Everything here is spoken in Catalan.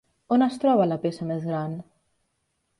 On es troba la peça més gran?